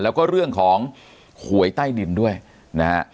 แล้วก็เรื่องของหวยใต้ดินด้วยนะฮะ